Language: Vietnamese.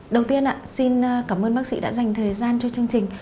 đầu tiên xin cảm ơn bác sĩ đã dành thời gian cho chương trình